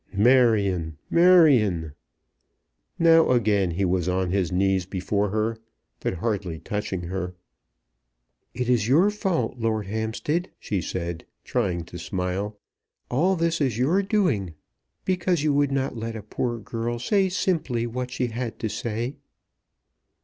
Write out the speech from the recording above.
"Marion, Marion!" Now again he was on his knees before her, but hardly touching her. "It is your fault, Lord Hampstead," she said, trying to smile. "All this is your doing, because you would not let a poor girl say simply what she had to say."